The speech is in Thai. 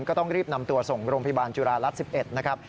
ก็ต้องรีบนำตัวส่งโรงพยาบาลจุฬารัฐ๑๑นะครับ